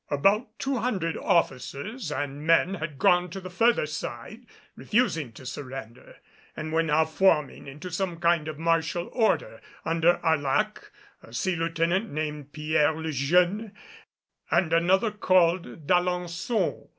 About two hundred officers and men had gone to the further side, refusing to surrender, and were now forming into some kind of martial order under Arlac, a sea lieutenant named Pierre Le Jeune and another called D'Alençon.